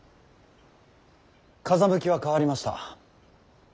風向きは変わりました。